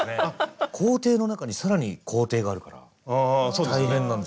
工程の中に更に工程があるから大変なんですよ。